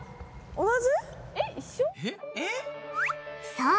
そう！